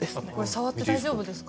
触って大丈夫ですか？